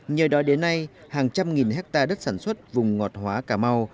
nhờ đó đến nay hàng trăm nghìn hectare đất sản xuất vùng ngọt hóa cà mau